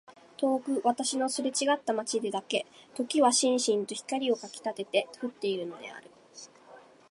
遠く私のすれちがった街でだけ時はしんしんと火をかきたてて降っているのである。